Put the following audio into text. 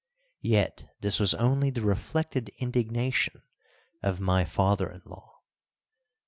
Yet this was only the reflected indignation of my father in law.